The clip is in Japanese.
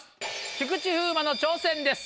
菊池風磨の挑戦です。